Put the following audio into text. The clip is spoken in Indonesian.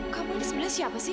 kamu ada sebelah siapa sih